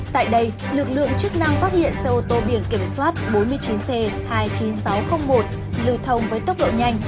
tại đây lực lượng chức năng phát hiện xe ô tô biển kiểm soát bốn mươi chín c hai mươi chín nghìn sáu trăm linh một lưu thông với tốc độ nhanh